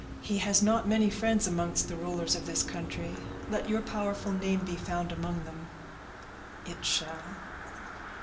He has not many friends amongst the rulers of this country; let your powerful name be found among them." "It shall."